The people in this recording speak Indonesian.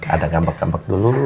ada gambak gambak dulu